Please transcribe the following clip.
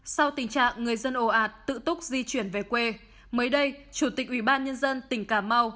sau tình trạng người dân ồ ạt tự túc di chuyển về quê mới đây chủ tịch ubnd tỉnh cà mau